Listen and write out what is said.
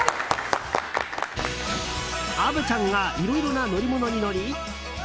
虻ちゃんがいろいろな乗り物に乗り